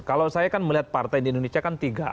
kalau saya kan melihat partai di indonesia kan tiga